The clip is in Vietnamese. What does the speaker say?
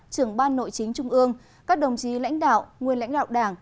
trưởng ban nội chính trung ương các đồng chí lãnh đạo nguyên lãnh đạo đảng